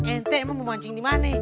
ente mau memancing di mana